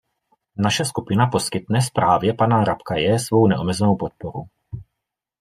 Naše skupina poskytne zprávě pana Rapkaye svou neomezenou podporu.